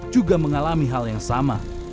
juga mengalami hal yang sama